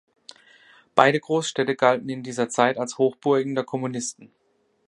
Beide Großstädte galten in dieser Zeit als Hochburgen der Kommunisten.